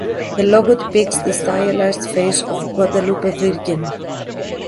The logo depicts the stylized face of Guadalupe Virgen.